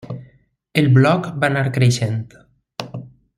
El Bloc va anar creixent.